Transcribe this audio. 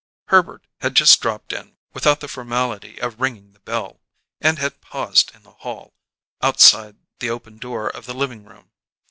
Herbert had just dropped in without the formality of ringing the bell, and had paused in the hall, outside the open door of the living room.